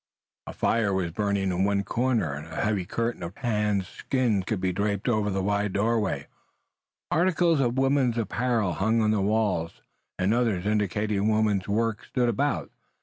A fire was burning in one corner, and a heavy curtain of tanned skins could be draped over the wide doorway. Articles of women's apparel hung on the walls, and others indicating woman's work stood about.